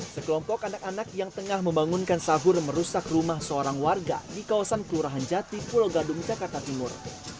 sekelompok anak anak yang tengah membangunkan sahur merusak rumah seorang warga di kawasan kelurahan jati pulau gadung jakarta timur